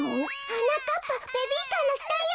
はなかっぱベビーカーのしたよ！